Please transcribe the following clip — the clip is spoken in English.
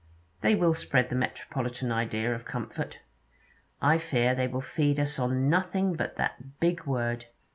'They will spread the metropolitan idea of comfort.' 'I fear they will feed us on nothing but that big word.